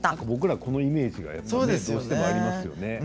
僕ら、このイメージがどうしてもありますよね。